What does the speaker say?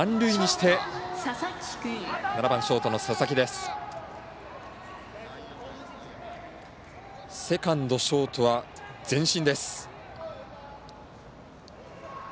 セカンド、ショートは前進。